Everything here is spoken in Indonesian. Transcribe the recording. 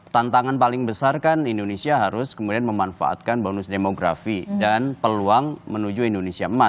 tantangan paling besar kan indonesia harus kemudian memanfaatkan bonus demografi dan peluang menuju indonesia emas